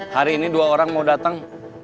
hari ini dua orang mau datang